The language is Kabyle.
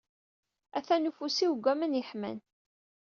Atan ufus-iw deg waman yeḥman.